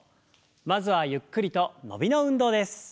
まずはゆっくりと伸びの運動です。